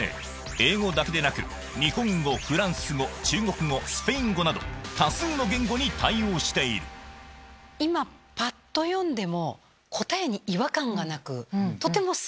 英語だけでなく日本語フランス語中国語スペイン語など多数の言語に対応している今ぱっと読んでも答えに。